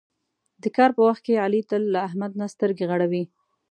د کار په وخت کې علي تل له احمد نه سترګې غړوي.